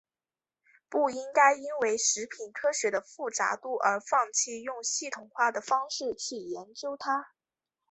不应该因为食品科学的复杂度而放弃用系统化方式去研究它。